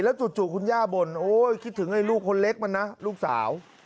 แล้วจุดจุดคุณย่าบ่นโอ๊ยคิดถึงให้ลูกคนเล็กมันนะลูกสาว